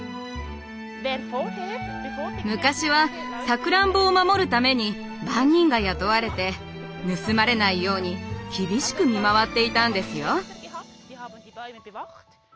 昔はさくらんぼを守るために番人が雇われて盗まれないように厳しく見回っていたんですよ。